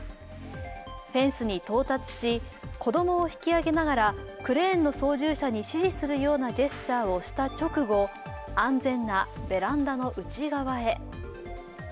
フェンスに到達し、子供を引き上げながらクレーンの操縦者に指示するようなジェスチャーを見せた直後安全なベランダの内側へ。